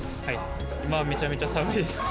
今はめちゃめちゃ寒いです。